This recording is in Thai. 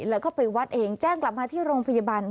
แล้วก็ไปวัดเองแจ้งกลับมาที่โรงพยาบาล